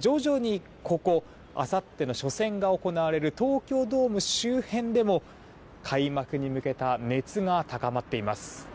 徐々にここあさっての初戦が行われる東京ドーム周辺でも開幕に向けた熱が高まっています。